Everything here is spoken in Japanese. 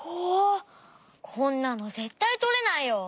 こんなのぜったいとれないよ！